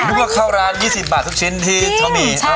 ทุกคนเข้าร้าน๒๐บาททุกชิ้นที่เช้ามีจริงใช่ค่ะ